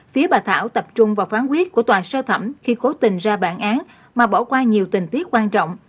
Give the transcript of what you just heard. phía bà thảo tập trung vào phán quyết của tòa sơ thẩm khi cố tình ra bản án mà bỏ qua nhiều tình tiết quan trọng